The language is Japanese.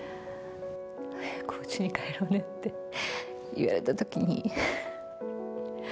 早くおうちに帰ろうねって言われたときに。